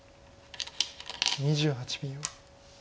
２８秒。